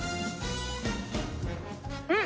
うん！